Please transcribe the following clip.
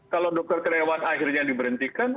kalau dokter karyawan akhirnya diberhentikan